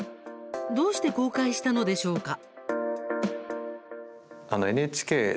どうして公開したのでしょうか。